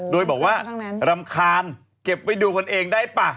โดยบอกว่ารำคาญเก็บไว้ดูกันเองได้ป่ะ